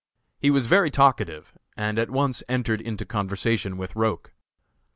He was very talkative, and at once entered into conversation with Roch.